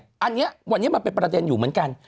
อันนี้วันนี้มันเป็นประเด็นอยู่เหมือนกัน